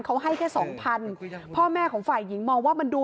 เขาให้แค่สองพันธุ์